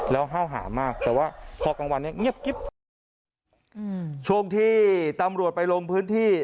แล้วเฮ้าหามากแต่ว่าพอกลางวันนี้เงียบอื้อที่ตำรวจไปลงพื้นที่